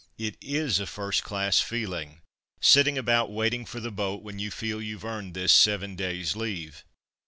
it is a first class feeling: sitting about waiting for the boat when you feel you've earned this seven days' leave.